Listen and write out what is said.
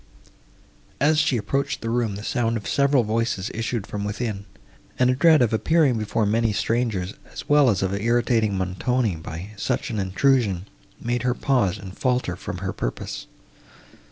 As she approached the room, the sound of several voices issued from within, and a dread of appearing before many strangers, as well as of irritating Montoni by such an intrusion, made her pause and falter from her purpose.